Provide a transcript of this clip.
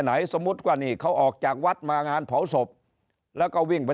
สมมุติว่านี่เขาออกจากวัดมางานเผาศพแล้วก็วิ่งไป